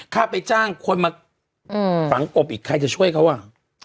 ถ้าไปจ้างคนมาฝังกบอีกใครจะช่วยเขาอ่ะ